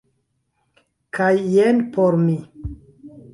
kaj jen por mi.